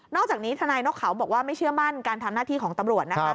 อกจากนี้ทนายนกเขาบอกว่าไม่เชื่อมั่นการทำหน้าที่ของตำรวจนะคะ